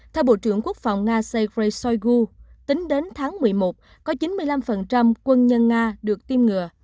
theo bộ trưởng quốc phòng nga seygrey shoigu tính đến tháng một mươi một có chín mươi năm quân nhân nga được tiêm ngừa